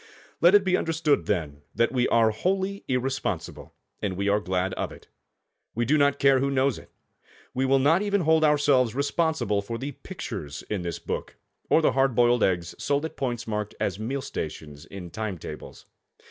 Let it be understood, then, that we are wholly irresponsible, and we are glad of it. We do not care who knows it. We will not even hold ourselves responsible for the pictures in this book, or the hard boiled eggs sold at points marked as meal stations in time tables.